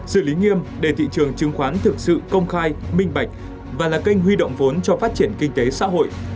xử lý nghiêm để thị trường chứng khoán thực sự công khai minh bạch và là kênh huy động vốn cho phát triển kinh tế xã hội